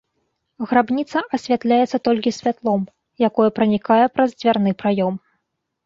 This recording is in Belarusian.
Грабніца асвятляецца толькі святлом, якое пранікае праз дзвярны праём.